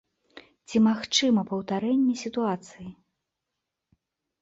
Ці магчыма паўтарэнне сітуацыі?